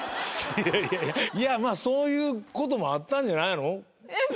そういうこともあったんじゃないの。